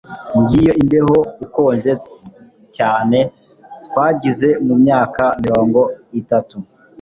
Ngiyo imbeho ikonje cyane twagize mumyaka mirongo itatu